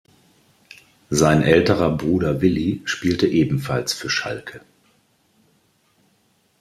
Sein älterer Bruder Willi spielte ebenfalls für Schalke.